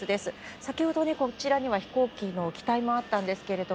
先ほどこちらには飛行機の機体もあったんですけど